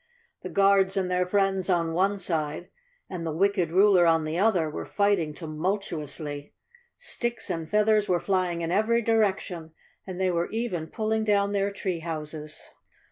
The Guards and their friends on one side and the wicked ruler on the other were fighting tumultuously. Sticks and feathers were flying in every direction and they were even pulling down their tree houses.